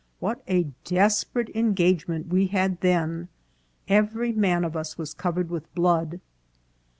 What a desperate engage ment we then had ! Every man of us was covered with blood."